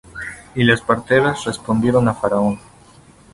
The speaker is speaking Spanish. Y las parteras respondieron á Faraón.